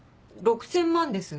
６０００万です。